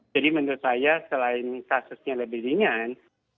jadi menurut saya selain kasusnya lebih ringan